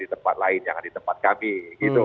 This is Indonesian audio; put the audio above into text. jangan di tempat lain jangan di tempat kami gitu